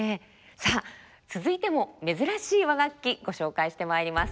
さあ続いても珍しい和楽器ご紹介してまいります。